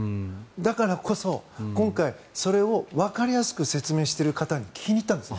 だからこそ、今回それをわかりやすく説明している方に聞きに行ったんです。